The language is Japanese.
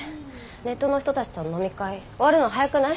ネットの人たちとの飲み会終わるの早くない？